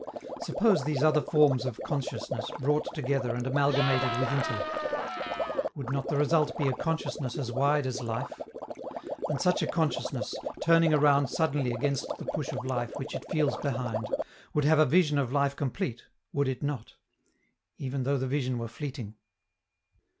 Suppose these other forms of consciousness brought together and amalgamated with intellect: would not the result be a consciousness as wide as life? And such a consciousness, turning around suddenly against the push of life which it feels behind, would have a vision of life complete would it not? even though the vision were fleeting.